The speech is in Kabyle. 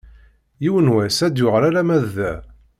Yiwen n wass ad d-yuɣal alamma d da.